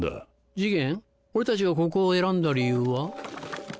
次元俺たちがここを選んだ理由は？